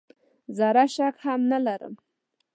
زره شک هم نه لرم .